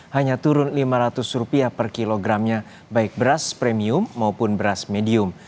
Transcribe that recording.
hanya turun rp lima ratus per kilogramnya baik beras premium maupun beras medium